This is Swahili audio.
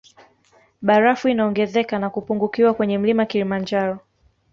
Barafu inaongezeka na kupungukiwa kwenye mlima kilimanjaro